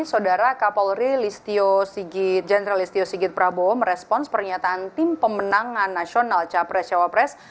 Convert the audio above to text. saudara kapolri listio sigit jenderal listio sigit prabowo merespons pernyataan tim pemenangan nasional capres cawapres